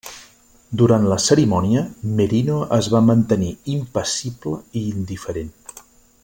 Durant la cerimònia, Merino es va mantenir impassible i indiferent.